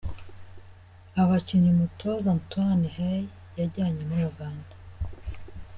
Abakinnyi umutoza Antoine Hey yajyanye muri Uganda.